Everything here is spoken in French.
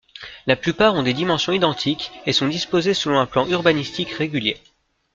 La plupart ont des dimensions identiques et sont disposées selon un plan urbanistique régulier.